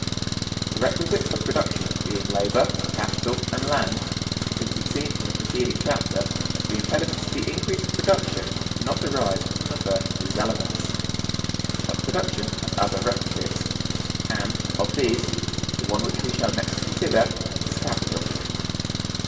The requisites of production being labor, capital, and land, it has been seen from the preceding chapter that the impediments to the increase of production do not arise from the first of these elements. But production has other requisites, and, of these, the one which we shall next consider is Capital.